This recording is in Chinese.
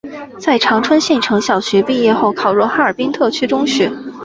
在长春县城小学毕业后考入哈尔滨特区中学。